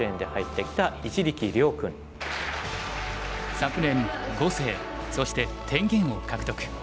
昨年碁聖そして天元を獲得